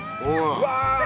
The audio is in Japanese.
うわ！